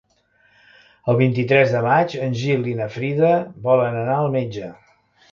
El vint-i-tres de maig en Gil i na Frida volen anar al metge.